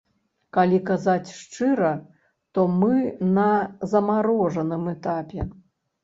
Калі казаць шчыра, то мы на замарожаным этапе.